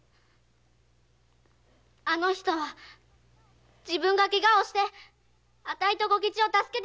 あの人は自分がケガをしてあたいと小吉を助けてくれました。